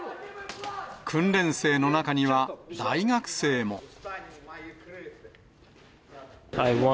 訓練生の中には、大学生も。